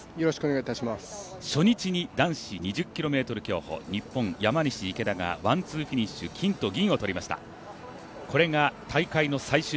初日に男子２０ｋｍ競歩日本・山西、池田がワン・ツー、フィニッシュ金、銀を取りました。